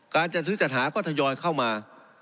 การจัดซื้อจัดหาก็ทยอยเข้ามา